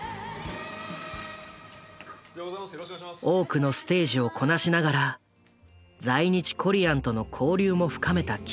多くのステージをこなしながら在日コリアンとの交流も深めたキム・ヨンジャ。